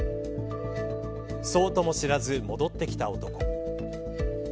そうとも知らず戻ってきた男。